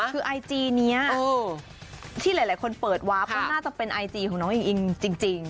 คือไอจีนี้ที่หลายคนเปิดวาร์ฟว่าน่าจะเป็นไอจีของน้องอิงอิงจริง